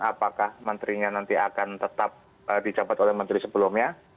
apakah menterinya nanti akan tetap dijabat oleh menteri sebelumnya